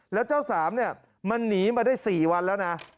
แล้วเจ้าสามเนี่ยมันหนีมาได้๔วันแล้วนะ